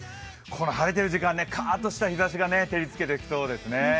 この晴れている時間、カーッとした日ざしが照りつけてきそうですね。